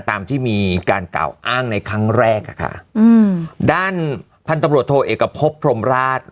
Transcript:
ตามที่มีการกล่าวอ้างในครั้งแรกอะค่ะอืมด้านพันธุ์ตำรวจโทเอกพบพรมราช